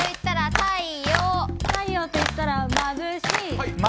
太陽といったらまぶしい。